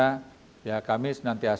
kami senantiasa menyiapkan ciptaan